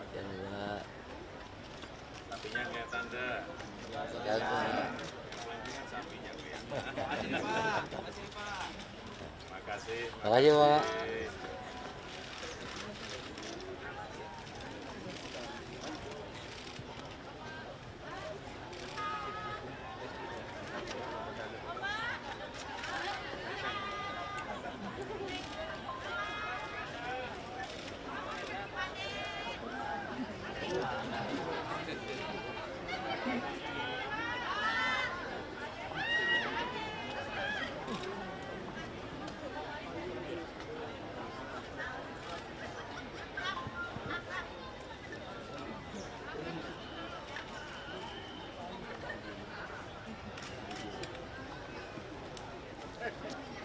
terima kasih bapak